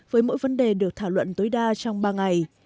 với mỗi vấn đề được thảo luận tối đa trong ba ngày